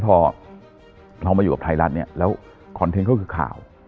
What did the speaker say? เพราะฉะนั้นพอเรามาอยู่กับไทยรัฐแล้วคอนเทนต์เขาก็คือข่าว